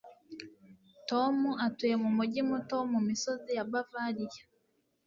Tom atuye mu mujyi muto wo mu misozi ya Bavariya